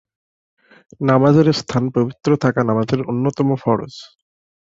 নামাজের স্থান পবিত্র থাকা নামাজের অন্যতম ফরজ।